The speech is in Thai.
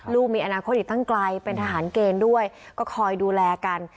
มีอนาคตอีกตั้งไกลเป็นทหารเกณฑ์ด้วยก็คอยดูแลกัน